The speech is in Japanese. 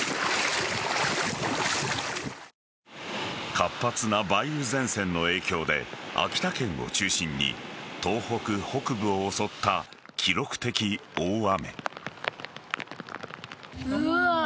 活発な梅雨前線の影響で秋田県を中心に東北北部を襲った記録的大雨。